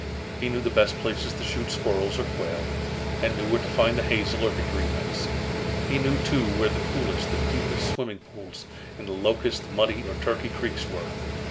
He knew the best places to shoot squirrels or quail, and knew where to find the hazel or hickory nuts. He knew, too, where the coolest and deepest swimming pools in the Locust, Muddy, or Turkey creeks were.